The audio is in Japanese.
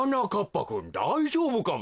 ぱくんだいじょうぶかべ。